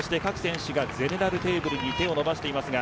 ゼネラルテーブルに手を伸ばしています。